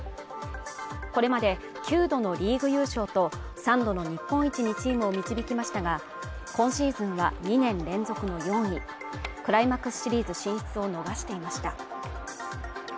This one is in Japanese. これまで９度のリーグ優勝と３度の日本一にチームを導きましたが今シーズンは２年連続の４位クライマックスシリーズ進出を逃していました